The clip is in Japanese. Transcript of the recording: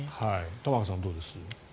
玉川さん、どうです？